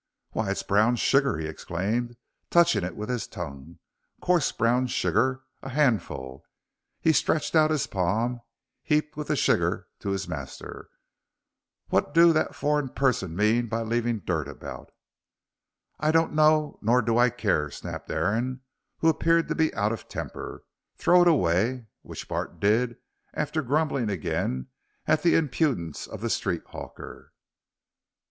"Why, it's brown sugar!" he exclaimed, touching it with his tongue, "coarse brown sugar a handful." He stretched out his palm heaped with the sugar to his master. "What do that furrein pusson mean by leaving dirt about?" "I don't know, nor do I care," snapped Aaron, who appeared to be out of temper. "Throw it away!" which Bart did, after grumbling again at the impudence of the street hawker.